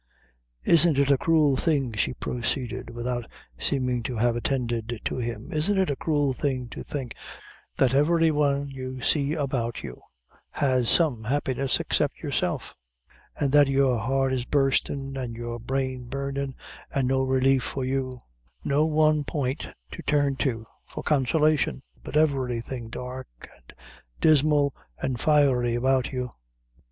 "Isn't it a cruel thing," she proceeded, without seeming to have attended to him; "isn't it a cruel thing to think that every one you see about you has some happiness except yourself; an' that your heart is burstin', an' your brain burnin', an' no relief for you; no one point to turn to, for consolation but everything dark and dismal, and fiery about you?"